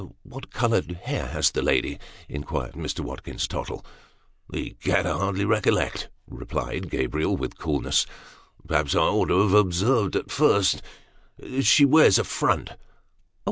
" What coloured hair has the lady ?" inquired Mr. Watkins Tottle. " Egad, I hardly recollect," replied Gabriel, with coolness. " Per haps I ought to have observed, at first, she wears a front."